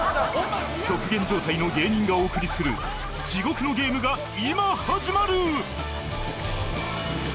極限状態の芸人がお送りする地獄のゲームが今始まる！